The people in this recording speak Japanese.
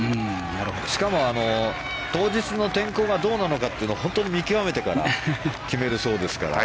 しかも、当日の天候がどうなのかというのを本当に見極めてから決めるそうですから。